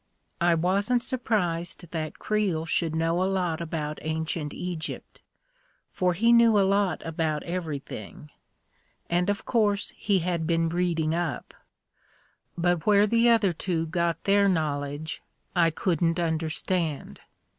I wasn't surprised that Creel should know a lot about ancient Egypt, for he knew a lot about everything, and of course he had been reading up; but where the other two got their knowledge, I couldn't under stand.